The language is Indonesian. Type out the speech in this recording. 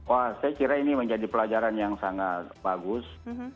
wah saya kira ini menjadi pelajaran yang sangat bagus